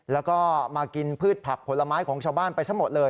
แล้วก็มากินพืชผักผลไม้ของชาวบ้านไปซะหมดเลย